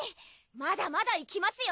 まだまだいきますよ！